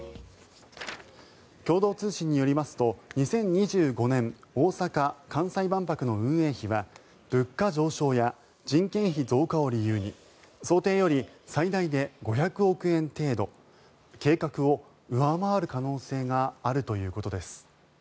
共同通信によりますと２０２５年大阪・関西万博の運営費は物価上昇や人件費増加を理由に想定より最大で５００億円程度計画を上回る可能性があるということです。